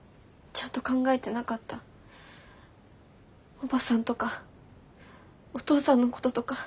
おばさんとかお父さんのこととか。